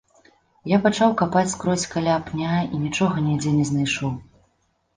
Я пачаў капаць скрозь каля пня і нічога нідзе не знайшоў.